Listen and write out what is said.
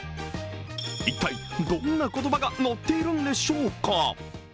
一体どんな言葉が載っているのでしょうか。